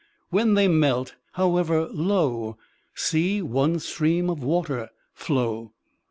When they melt, however, lo. See one stream of water flow!